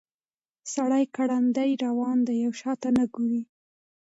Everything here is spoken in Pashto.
سړی ګړندی روان دی او شاته نه ګوري.